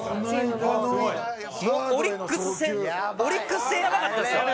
もうオリックス戦オリックス戦やばかったですよ。